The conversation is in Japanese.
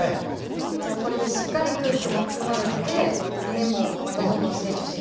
じゃあこれでしっかり空気も含まれて根もまたどんどん成長していく。